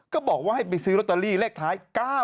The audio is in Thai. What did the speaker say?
ก็บอกว่าให้ไปซื้อลอตเตอรี่เลขท้าย๙๗